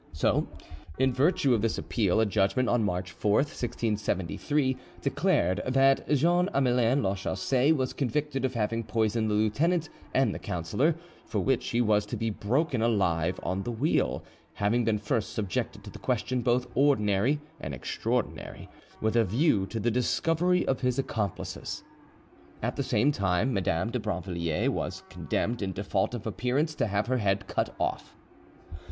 ] so, in virtue of this appeal, a judgment, on March 4th, 1673, declared that Jean Amelin Lachaussee was convicted of having poisoned the lieutenant and the councillor; for which he was to be broken alive on the wheel, having been first subjected to the question both ordinary and extraordinary, with a view to the discovery of his accomplices. At the same time Madame de Brinvilliers was condemned in default of appearance to have her head cut off.